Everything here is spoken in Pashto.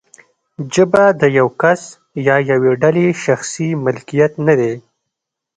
ژبه د یو کس یا یوې ډلې شخصي ملکیت نه دی.